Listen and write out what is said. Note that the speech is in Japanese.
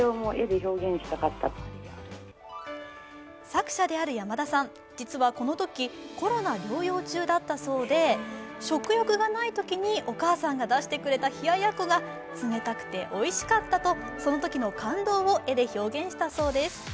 作者である山田さん実はこのとき、コロナ療養中だったそうで食欲がないときにお母さんが出してくれた冷ややっこが冷たくておいしかったと、そのときの感動を絵で表現したそうです。